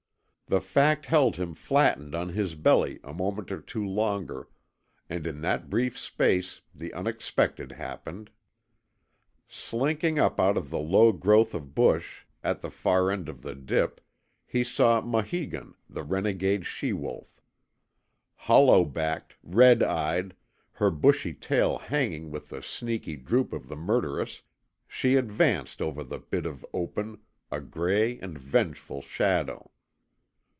The fact held him flattened on his belly a moment or two longer, and in that brief space the unexpected happened. Slinking up out of the low growth of bush at the far edge of the dip lie saw Maheegun, the renegade she wolf. Hollow backed, red eyed, her bushy tail hanging with the sneaky droop of the murderess, she advanced over the bit of open, a gray and vengeful shadow.